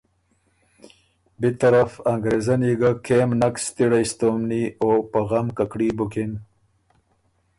بی طرف انګرېزنی ګه کېم نک ستِړئ ستومني او په غم ککړي بُکِن۔